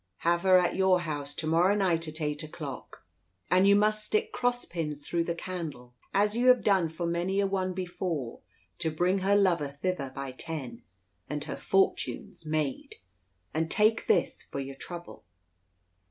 Have her at your house to morrow night at eight o'clock, and you must stick cross pins through the candle, as you have done for many a one before, to bring her lover thither by ten, and her fortune's made. And take this for your trouble."